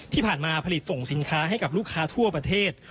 ที่ผ่านมาผลิตส่งสินค้าให้กับลูกค้าทั่วประเทศ